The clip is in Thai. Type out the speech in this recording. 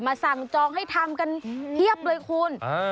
สั่งจองให้ทำกันเพียบเลยคุณ